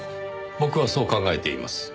僕はそう考えています。